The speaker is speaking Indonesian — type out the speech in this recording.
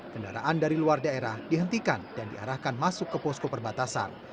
kendaraan dari luar daerah dihentikan dan diarahkan masuk ke posko perbatasan